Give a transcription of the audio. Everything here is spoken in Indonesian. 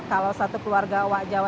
kalau satu keluarga owak jawa